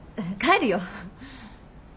帰るよ。